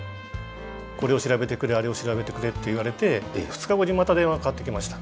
「これを調べてくれあれを調べてくれ」って言われて２日後にまた電話かかってきました。